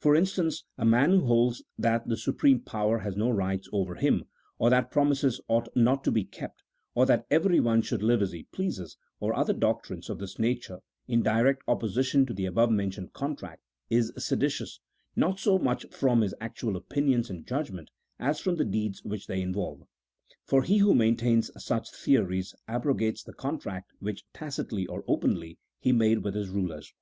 For instance, a man who holds that the supreme power has no rights over him, or that promises ought not to be kept, or that everyone should live as he pleases, or other doctrines of this nature in direct opposition to the above mentioned contract, is seditious, not so much from his actual opinions and judgment, as from the deeds which they involve ; for he who maintains such theories abrogates the contract which tacitly, or openly, he made with his rulers.